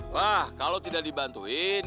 wah kalau tidak dibantuin